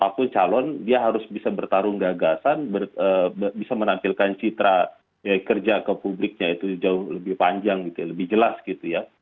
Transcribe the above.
siapapun calon dia harus bisa bertarung gagasan bisa menampilkan citra kerja ke publiknya itu jauh lebih panjang gitu ya lebih jelas gitu ya